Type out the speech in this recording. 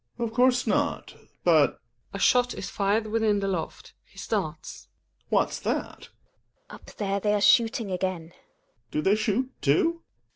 Of course not But (^ shot is \fired within the loft, he starts.) What's that ?/ GiNA. Up there they are shooting again ! Gregers. Do they shoot too ? Hedvig.